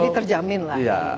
jadi terjamin lah